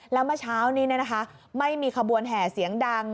แล้วเมื่อเช้านี้ไม่มีขบวนแห่เสียงดัง